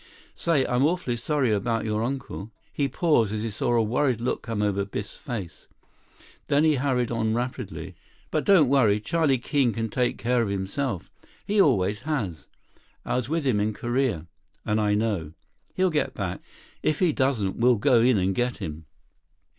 Say, I'm awfully sorry about your uncle." He paused, as he saw a worried look come over Biff's face. Then he hurried on rapidly. "But don't worry. Charlie Keene can take care of himself. He always has. I was with him in Korea, and I know. He'll get back. If he doesn't, we'll go in and get him."